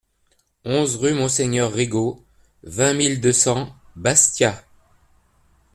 onze rue Monseigneur Rigo, vingt mille deux cents Bastia